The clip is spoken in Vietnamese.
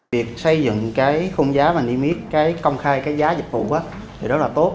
việc xây dựng cái khung giá và niêm yết cái công khai cái giá dịch vụ thì rất là tốt